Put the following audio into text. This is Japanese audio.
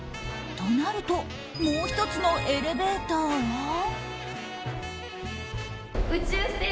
となるともう１つのエレベーターは。